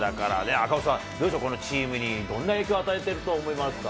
赤星さん、どうでしょう、このチームにどんな影響、与えてると思いますか？